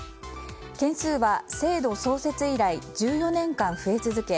件数は制度創設以来１４年間増え続け